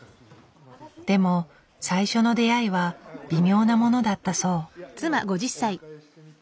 でも最初の出会いは微妙なものだったそう。